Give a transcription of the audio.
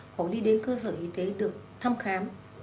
hoặc đi đến cơ sở y tế được thăm khám